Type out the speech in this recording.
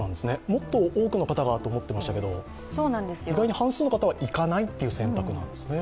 もっと多くの方がと思っていましたけれども意外に半数の方はいかないっていう選択なんですね。